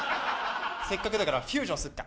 せっかくだからフュージョンすっか。